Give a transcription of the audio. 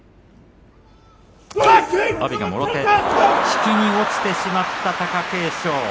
引きに落ちてしまった貴景勝。